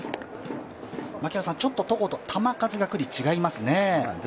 ちょっと戸郷と球数が九里、違いますね？